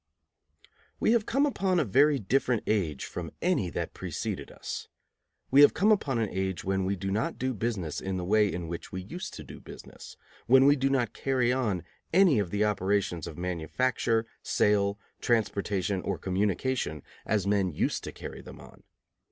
We have come upon a very different age from any that preceded us. We have come upon an age when we do not do business in the way in which we used to do business, when we do not carry on any of the operations of manufacture, sale, transportation, or communication as men used to carry them on.